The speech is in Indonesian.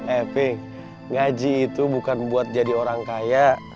eh ping ngaji itu bukan buat jadi orang kaya